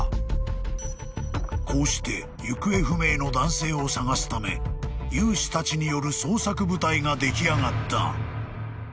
［こうして行方不明の男性を捜すため有志たちによる捜索部隊が出来上がった］